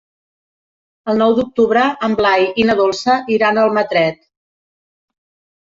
El nou d'octubre en Blai i na Dolça iran a Almatret.